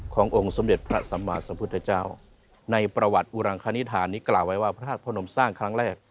ขององค์สมเด็จพระสัมมาสัมพุทธเจ้าในประวัติอุรังคณิธานี้กล่าวไว้ว่าพระธาตุพระนมสร้างครั้งแรก